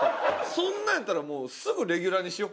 そんなんやったらもうすぐレギュラーにしよう。